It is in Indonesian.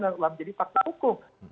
dan ulam jadi fakta hukum